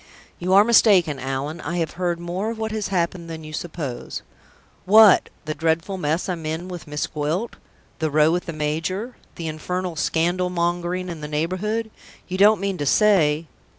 "You are mistaken, Allan. I have heard more of what has happened than you suppose." "What! the dreadful mess I'm in with Miss Gwilt? the row with the major? the infernal scandal mongering in the neighborhood? You don't mean to say